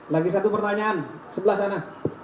lagi satu pertanyaan sebelah sana